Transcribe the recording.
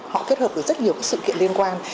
họ kết hợp được rất nhiều sự kiện liên quan